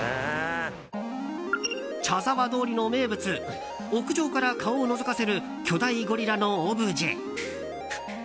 茶沢通りの名物屋上から顔をのぞかせる巨大ゴリラのオブジェ。